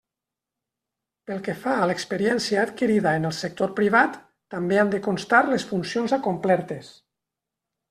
Pel que fa a l'experiència adquirida en el sector privat, també han de constar les funcions acomplertes.